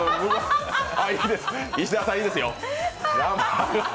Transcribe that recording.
石田さん、いいですよ。